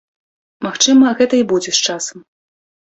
Магчыма, гэта і будзе з часам.